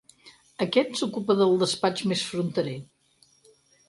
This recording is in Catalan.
Aquest s'ocupa del despatx més fronterer.